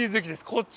こっち